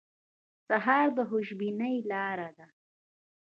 سهار د خوشبینۍ لاره ده.